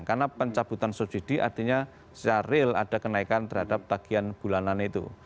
karena pencabutan subsidi artinya secara real ada kenaikan terhadap tagian bulanan itu